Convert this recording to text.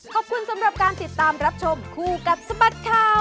ขอบคุณสำหรับการติดตามรับชมคู่กับสบัดข่าว